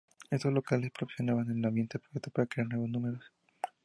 Estos locales proporcionaban el ambiente perfecto para crear nuevos números.